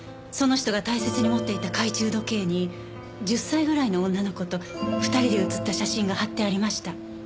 その人が大切に持っていた懐中時計に１０歳ぐらいの女の子と２人で写った写真が貼ってありました。